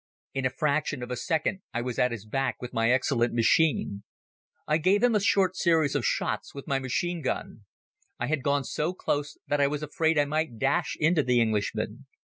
In a fraction of a second I was at his back with my excellent machine. I give a short series of shots with my machine gun. I had gone so close that I was afraid I might dash into the Englishman.